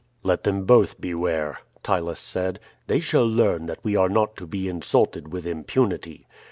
"Let them both beware!" Ptylus said. "They shall learn that we are not to be insulted with impunity.